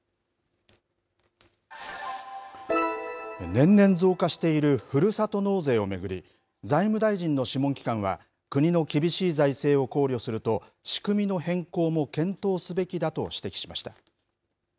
年々増加しているふるさと納税を巡り、財務大臣の諮問機関は、国の厳しい財政を考慮すると、仕組みの変更も検討すべきだと指摘しました。